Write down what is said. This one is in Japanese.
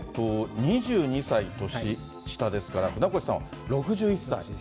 ２２歳年下ですから、船越さん６１歳。